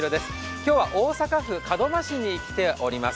今日は大阪府門真市に来ております。